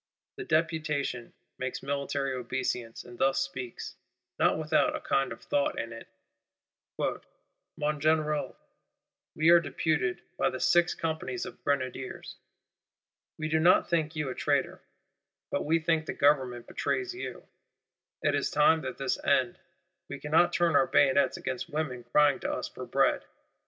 The Deputation makes military obeisance; and thus speaks, not without a kind of thought in it: 'Mon Général, we are deputed by the Six Companies of Grenadiers. We do not think you a traitor, but we think the Government betrays you; it is time that this end. We cannot turn our bayonets against women crying to us for bread.